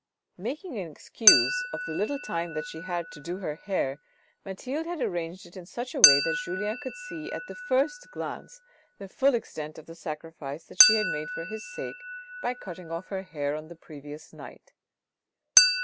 Making an excuse of the little time that she had had to do her hair, Mathilde had arranged it in such a way that Julien could see at the first glance the full extent of the sacrifice that she had made for his sake, by cutting off her hair on the previous night.